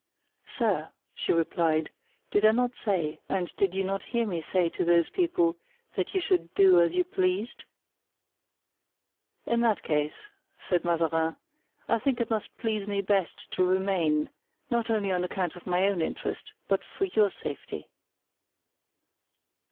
"Sir," she replied, "did I not say, and did you not hear me say to those people, that you should do as you pleased?" "In that case," said Mazarin, "I think it must please me best to remain; not only on account of my own interest, but for your safety."